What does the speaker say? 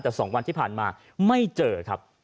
แต่๒วันที่ผ่านมาไม่เจอครับ